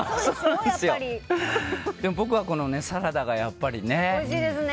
でも、僕はこのサラダがやっぱりね。